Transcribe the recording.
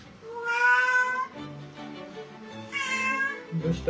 どうした？